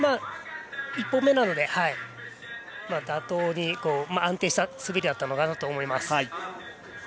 １本目なので妥当に安定した滑りだったかなと思います。